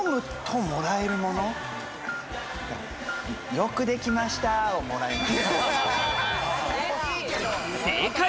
よくできました！をもらえます。